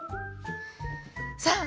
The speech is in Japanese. さあ！